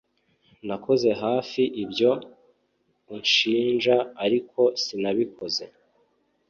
Nakoze hafi ibyo unshinja ariko sinabikoze